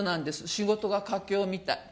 仕事が佳境みたい。